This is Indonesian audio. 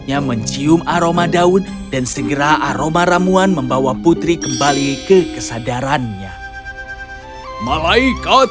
yang mencium aroma daun dan segera aroma ramuan membawa putri kembali ke kesadarannya malaikat